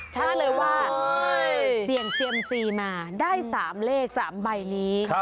ชัดเลยว่าเสี่ยงเซียมซีมาได้๓เลข๓ใบนี้